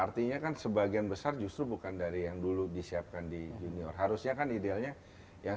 artinya kan sebagian besar justru bukan dari yang dulu disiapkan di junior harusnya kan idealnya yang